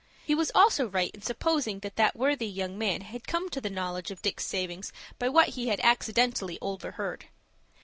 He was also right in supposing that that worthy young man had come to the knowledge of Dick's savings by what he had accidentally overheard.